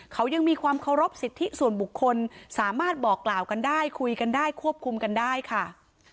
เขายังมีความเคารพสิทธิส่วนบุคคลสามารถบอกกล่าวกันได้คุยกันได้ควบคุมกันได้ค่ะ